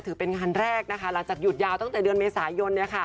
ถือเป็นงานแรกนะคะหลังจากหยุดยาวตั้งแต่เดือนเมษายน